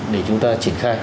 để chúng ta triển khai